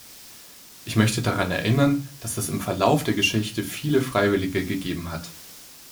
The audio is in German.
Ich möchte daran erinnern, dass es im Verlauf der Geschichte viele Freiwillige gegeben hat.